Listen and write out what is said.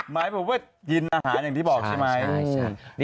หมายความว่ากินอาหารอย่างที่บอกใช่ไหม